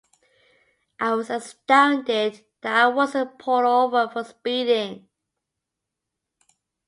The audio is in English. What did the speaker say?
I was astounded that I wasn't pulled over for speeding.